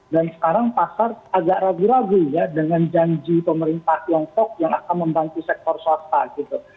dan sekarang pasar agak ragu ragu ya dengan janji pemerintah tiongkok yang akan membantu sektor swasta gitu